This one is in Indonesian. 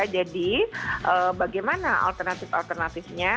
jadi bagaimana alternatif alternatifnya